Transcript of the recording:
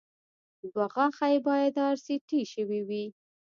دوه غاښه يې باید ار سي ټي شوي وای